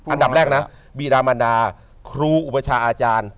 อ่านดับแรกนะคุณปัญหนาครูอุปชาอาจารย์